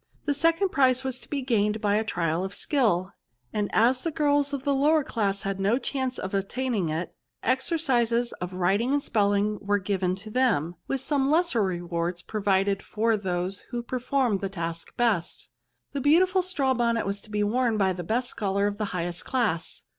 The second prize was to be gained by a trial of skill ; and as the girls of the lower classes had no chance of obtaining it, exer cises of writing and spelling were given to thern^ and some lesser rewards provided for Y 242 VERBS. those who performed the task best The beautiful straw bonnet was to be won by the best scholar of the highest class.